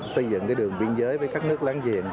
xây dựng cái đường biên giới với các nước lan diện